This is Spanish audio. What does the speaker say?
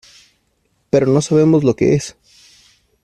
pero no sabemos lo que es.